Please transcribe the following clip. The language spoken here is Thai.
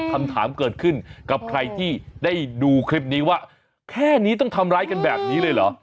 คำถามเกิดขึ้นกับใครที่ได้ดูคลิปนี้ว่าแค่นี้ต้องทำร้ายกันแบบนี้เลยเหรอ